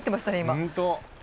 本当！